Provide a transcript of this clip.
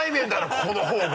ここの方が！